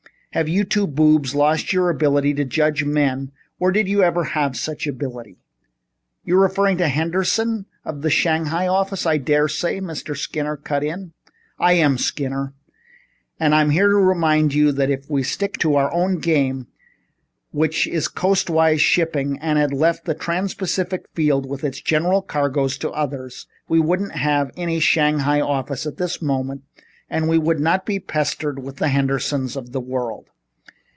Have you two boobs lost your ability to judge men or did you ever have such ability?" "You're referring to Henderson, of the Shanghai office, I dare say," Mr. Skinner cut in. "I am, Skinner. And I'm here to remind you that if we'd stuck to our own game, which is coast wise shipping, and had left the trans Pacific field with its general cargoes to others, we wouldn't have any Shanghai office at this moment and we would not be pestered by the Hendersons of this world."